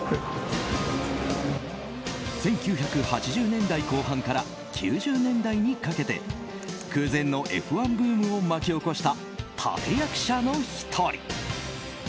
１９８０年代後半から９０年代にかけて空前のＦ１ブームを巻き起こした立役者の１人